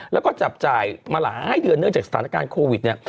แล้วก็จับจ่ายมาหลายเดือนเนื่องจากสถานการณ์โควิดเนี่ย